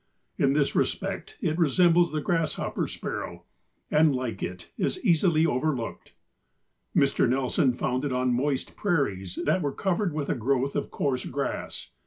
In this respect it resembles the grasshopper sparrow, and like it is easily overlooked. Mr. Nelson found it on moist prairies that were covered with a growth of coarse grass.